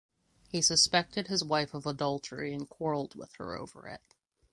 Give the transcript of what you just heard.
He suspected his wife of adultery and quarreled with her over it.